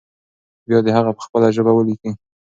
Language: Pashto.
بيا دې هغه په خپله ژبه ولیکي.